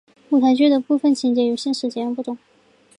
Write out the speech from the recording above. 舞台剧的部分情节与现实截然不同。